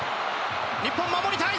日本守りたい！